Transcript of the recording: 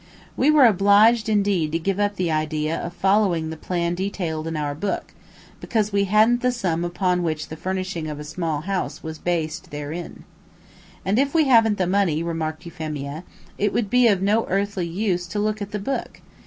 We were obliged indeed to give up the idea of following the plan detailed in our book, because we hadn't the sum upon which the furnishing of a small house was therein based. "And if we haven't the money," remarked Euphemia, "it would be of no earthly use to look at the book.